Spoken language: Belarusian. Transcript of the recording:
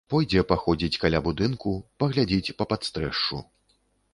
Пойдзе паходзіць каля будынку, паглядзіць па падстрэшшу.